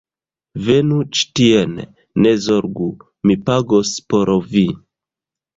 Venu ĉi tien. Ne zorgu, mi pagos por vi